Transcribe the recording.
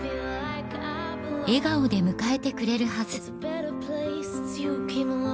笑顔で迎えてくれるはず